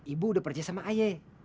ibu udah percaya sama aye